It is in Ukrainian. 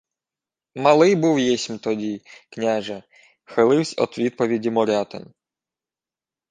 — Малий був єсмь тоді, княже, — вхиливсь од відповіді Морятин.